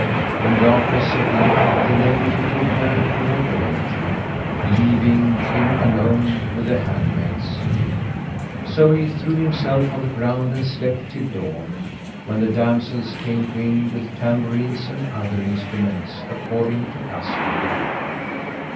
When darkness set in, the lady betook her to her dormitory, leaving him alone with the handmaids; so he threw himself on the ground and slept till dawn, when the damsels came to him with tambourines and other instruments according to custom.